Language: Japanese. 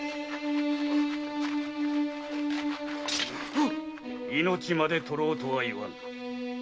ああっ⁉命まで取ろうとは言わぬ。